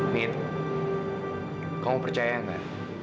mit kamu percaya gak